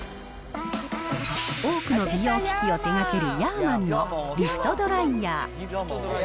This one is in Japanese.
多くの美容機器を手がけるヤーマンのリフトドライヤー。